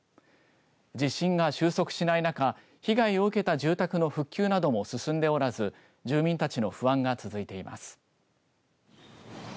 地震が収束しない中被害を受けた住宅の復旧なども進んでおらず住民たちの不安が続いています。